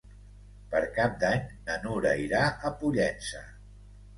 Per Cap d'Any na Nura irà a Pollença.